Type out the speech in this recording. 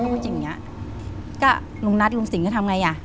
อย่างงี้อ่ะก็ลุงนัดลุงสิ่งก็ทำไงอ่ะ